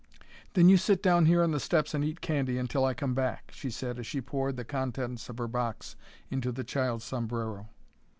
"Then you sit down here on the steps and eat candy until I come back," she said as she poured the contents of her box into the child's sombrero.